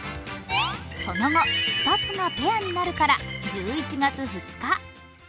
その後、２つがペアになるから１１月２日。